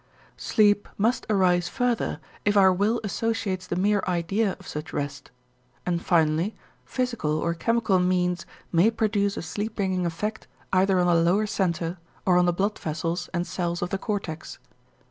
Sleep must arise further if our will associates the mere idea of such rest, and finally physical or chemical means may produce a sleep bringing effect either on the lower center or on the blood vessels and cells of the cortex.